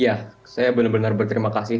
ya saya benar benar berterima kasih